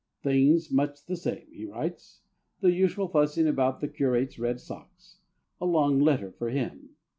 "Things much the same," he writes; "the usual fussing about the curate's red socks" a long letter for him.